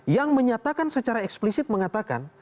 yang menyatakan secara eksplisit mengatakan